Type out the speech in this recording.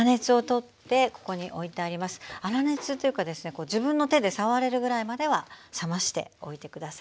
粗熱というかですね自分の手で触れるぐらいまでは冷ましておいて下さい。